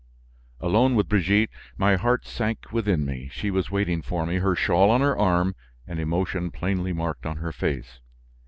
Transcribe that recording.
Alone with Brigitte, my heart sank within me. She was waiting for me, her shawl on her arm, and emotion plainly marked on her face.